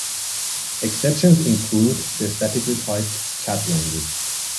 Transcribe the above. Exceptions include the statically typed Cat language.